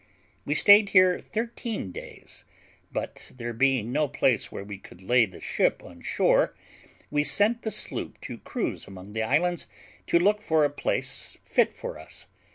We stayed there thirteen days; but there being no place where we could lay the ship on shore, we sent the sloop to cruise among the islands, to look out for a place fit for us.